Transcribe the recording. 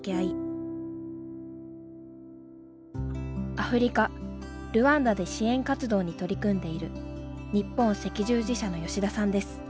アフリカルワンダで支援活動に取り組んでいる日本赤十字社の吉田さんです。